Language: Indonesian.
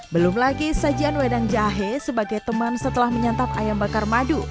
belum lagi sajian wedang jahe sebagai teman setelah menyantap ayam bakar madu